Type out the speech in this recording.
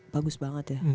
bagus banget ya